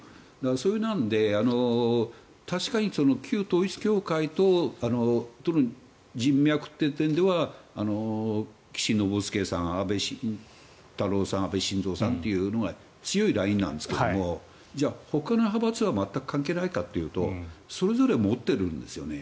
それなので確かに旧統一教会との人脈という点では岸信介さん、安倍晋太郎さん安倍晋三さんというのが強いラインなんですけどもじゃあ、ほかの派閥は全く関係ないかというとそれぞれ持っているんですよね。